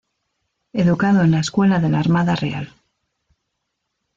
Educado en la Escuela de la Armada Real.